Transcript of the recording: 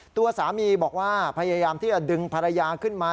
ตัวสามีบอกว่าพยายามที่จะดึงภรรยาขึ้นมา